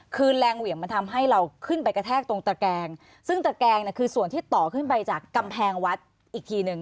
คือแรงเหวี่ยงมันทำให้เราขึ้นไปกระแทกตรงตะแกงซึ่งตะแกงเนี่ยคือส่วนที่ต่อขึ้นไปจากกำแพงวัดอีกทีหนึ่ง